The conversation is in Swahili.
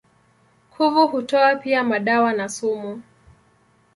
Kuvu hutoa pia madawa na sumu.